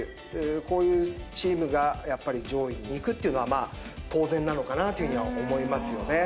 こういうチームがやっぱり上位にいくっていうのは当然なのかなっていうふうには思いますよね。